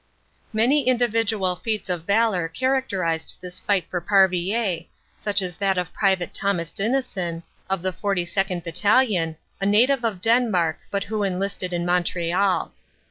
Many individual feats of valor characterised this fight for Parvillers, such as that of Pte. Thomas Dineson, of the 42nd. Battalion, a native of Denmark but who enlisted in Montreal.